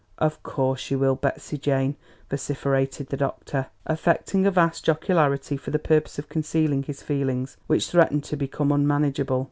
"Of course you will, Betsey Jane!" vociferated the doctor, affecting a vast jocularity for the purpose of concealing his feelings, which threatened to become unmanageable.